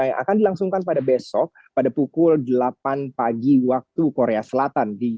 yang akan dilangsungkan pada besok pada pukul delapan pagi waktu korea selatan